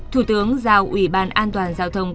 thủ tướng giao ủy ban an toàn giao thông công an